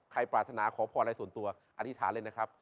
ปรารถนาขอพรอะไรส่วนตัวอธิษฐานเลยนะครับ